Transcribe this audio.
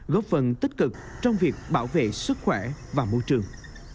góp phần tích cực trong việc bảo vệ sức khỏe và môi trường